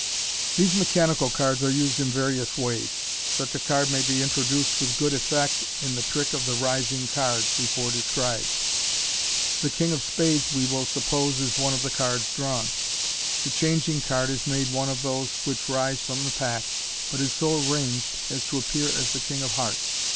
These mechanical cards are used in various ways. Such a card may be introduced with good effect in the trick of the "rising cards," before described. The king of spades, we will suppose, is one of the cards drawn. The changing card is made one of those which rise from the pack, but is so arranged as to appear as the king of hearts.